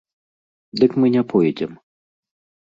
Дык мы не пойдзем.